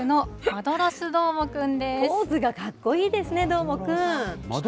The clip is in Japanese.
ポーズがかっこいいですね、どーもくん。